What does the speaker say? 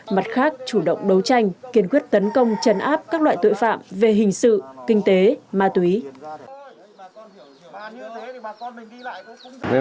mặt khác chủ động đấu tranh kiên quyết tấn công chấn áp các loại tội phạm về hình sự kinh tế ma túy